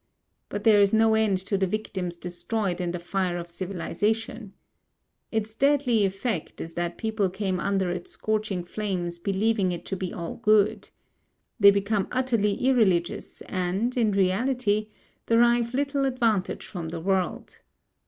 But there is no end to the victims destroyed in the fire of civilization. Its deadly effect is that people came under its scorching flames believing it to be all good. They become utterly irreligious and, in reality, derive little advantage from the world.